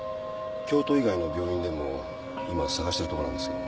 京都以外の病院でも今捜してるとこなんですけども。